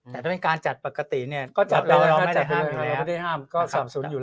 แต่ถ้าเป็นการจัดปกติเนี่ยก็จัดเราไม่ได้ห้ามก็๓๐อยู่